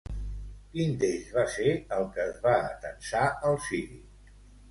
Quin d'ells va ser el que es va atansar al ciri?